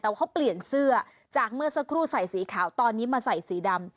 แต่ว่าเขาเปลี่ยนเสื้อจากเมื่อสักครู่ใส่สีขาวตอนนี้มาใส่สีดำ